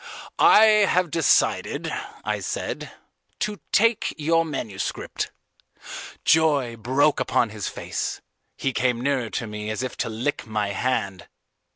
"I have decided," I said, "to take your manuscript." Joy broke upon his face. He came nearer to me as if to lick my hand.